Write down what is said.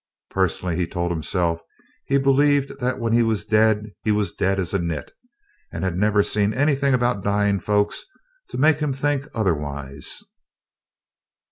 Personally, he told himself, he believed that when he was dead he was dead as a nit, and he'd never seen anything about dying folks to make him think otherwise.